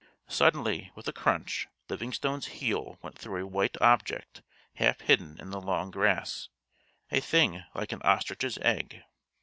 Suddenly, with a crunch, Livingstone's heel went through a white object half hidden in the long grass a thing like an ostrich's egg.